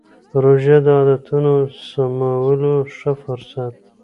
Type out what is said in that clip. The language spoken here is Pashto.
روژه د عادتونو سمولو ښه فرصت دی.